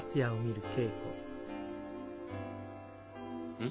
うん？